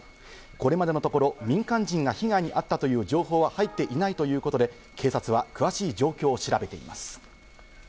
これまでのところ、民間人が被害に遭ったという情報は入っていないということで、警察は詳しい状況を調べています。